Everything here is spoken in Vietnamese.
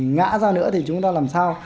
ngã ra nữa thì chúng ta làm sao